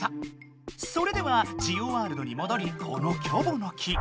それではジオワールドにもどりこのキョボの木。